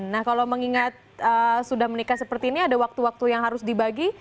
nah kalau mengingat sudah menikah seperti ini ada waktu waktu yang harus dibagi